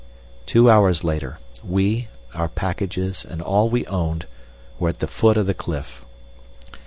Two hours later, we, our packages, and all we owned, were at the foot of the cliff.